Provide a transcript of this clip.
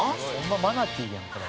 「マナティーやんこれ」